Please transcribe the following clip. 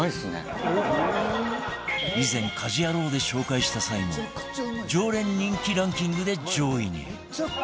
以前『家事ヤロウ！！！』で紹介した際にも常連人気ランキングで上位に